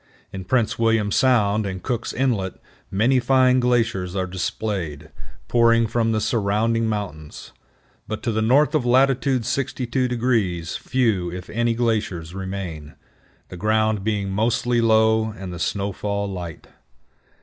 In Prince William Sound and Cook's Inlet many fine glaciers are displayed, pouring from the surrounding mountains; but to the north of latitude 62° few, if any, glaciers remain, the ground being mostly low and the snowfall light.